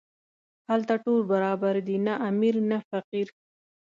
هلته ټول برابر دي، نه امیر نه فقیر.